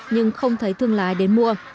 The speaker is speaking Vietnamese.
nhưng không thấy thương lái đến mua